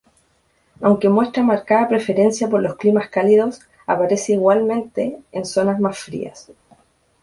Aunque muestra marcada preferencia por los climas cálidos, aparece igualmente en zonas más frías.